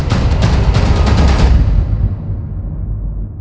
โปรดติดตามตอนต่อไป